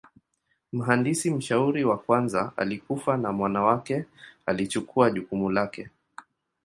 Mhandisi mshauri wa kwanza alikufa na mwana wake alichukua jukumu lake.